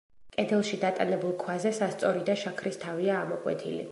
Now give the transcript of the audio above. კედელში დატანებულ ქვაზე სასწორი და შაქრის თავია ამოკვეთილი.